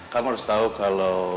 kamu harus tau kalau